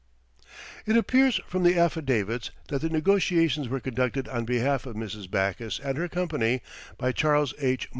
It appears from the affidavits that the negotiations were conducted on behalf of Mrs. Backus and her company by Charles H.